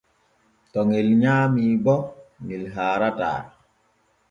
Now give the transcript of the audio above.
To ŋel nyaami bo ŋel haarataa.